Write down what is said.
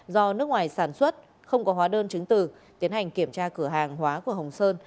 do nước ngoài sản xuất không có hóa đơn chứng từ tiến hành kiểm tra cửa hàng hóa của hồng sơn